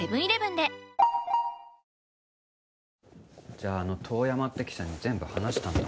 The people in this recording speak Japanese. じゃああの遠山って記者に全部話したんだ。